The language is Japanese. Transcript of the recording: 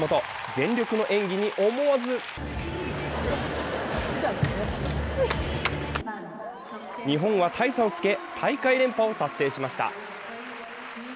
全力の演技に思わず日本は大差をつけ、大会連覇を達成しました。